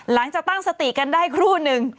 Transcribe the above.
หลังจากตั้งสติกันได้ครู่นึง